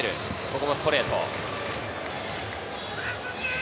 ここもストレート。